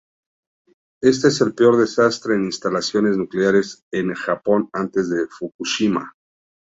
Este es el peor desastre en instalaciones nucleares en Japón antes de Fukushima.